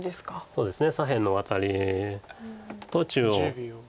そうですね左辺のワタリと中央。